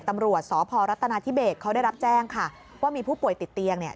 ตำรวจสพรัฐนาธิเบสเขาได้รับแจ้งค่ะว่ามีผู้ป่วยติดเตียงเนี่ย